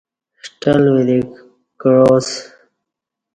ݜٹل وری کعا اسہ